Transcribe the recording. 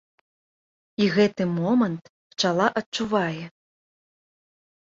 І гэты момант пчала адчувае.